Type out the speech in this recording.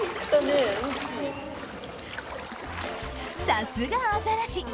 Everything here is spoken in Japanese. さすが、アザラシ。